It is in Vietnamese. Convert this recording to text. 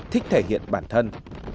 thích thể hiện bản thân